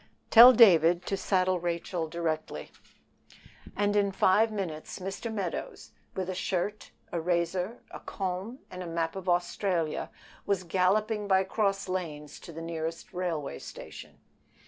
"Tell David to saddle Rachel directly." And in five minutes Mr. Meadows, with a shirt, a razor, a comb, and a map of Australia, was galloping by cross lanes to the nearest railway station.